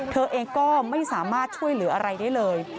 เธอเองก็ไม่สามารถช่วยเหลืออะไรได้เลย